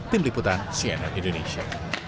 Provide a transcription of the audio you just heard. tim liputan cnn indonesia